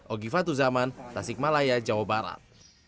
ogiva tuzaman tasik malaya jawa barat